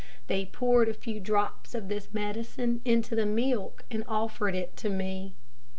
They poured a few drops of this medicine into the milk and offered it to me.